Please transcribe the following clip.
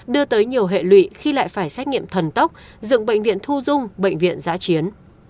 đưa tới nhiều hệ lụy khi lại phải xét nghiệm thần tốc dựng bệnh viện thu dung bệnh viện giã chiến